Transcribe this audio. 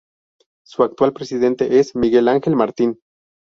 Su actual presidente es Miguel Ángel Martín.